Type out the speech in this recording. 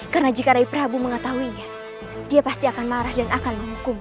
karena jika rai prabu mengetahuinya dia pasti akan marah dan akan menghukummu